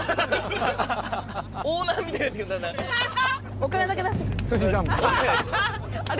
お金だけ出してる。